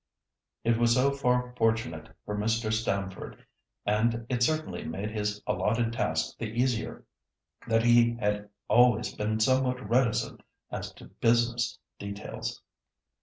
It was so far fortunate for Mr. Stamford, and it certainly made his allotted task the easier, that he had always been somewhat reticent as to business details.